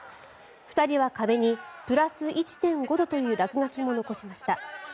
２人は壁に「＋１．５℃」という落書きも残しました。